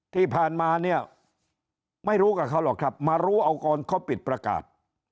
ที่ผ่านมาเนี่ยไม่รู้กับเขาหรอกครับมารู้เอาก่อนเขาปิดประกาศ